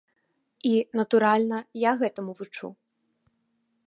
І, натуральна, я гэтаму вучу.